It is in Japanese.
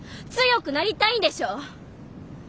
強くなりたいんでしょ？